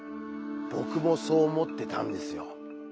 僕もそう思ってたんですよ。